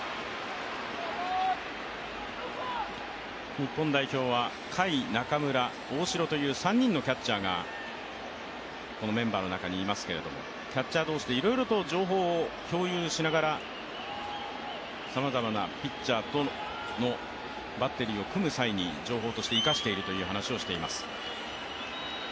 日本代表は甲斐、中村大城という３人のキャッチャーがこのメンバーの中にいますけれども、キャッチャー同士でいろいろと情報を共有しながらさまざまなピッチャーとのバッテリーを組む際に情報として生かしているという話をしています。